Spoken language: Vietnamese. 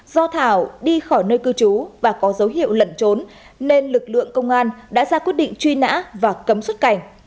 do thảo đi khỏi nơi cư trú và có dấu hiệu lẩn trốn nên lực lượng công an đã ra quyết định truy nã và cấm xuất cảnh